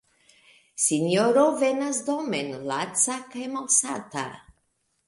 Sinjoro venas domen laca kaj malsata.